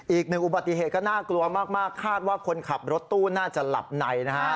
อีกหนึ่งอุบัติเหตุก็น่ากลัวมากคาดว่าคนขับรถตู้น่าจะหลับในนะฮะ